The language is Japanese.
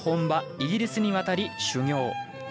イギリスに渡り修業。